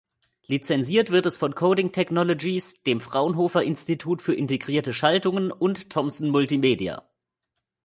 Lizenziert wird es von Coding Technologies, dem Fraunhofer-Institut für Integrierte Schaltungen und Thomson multimedia.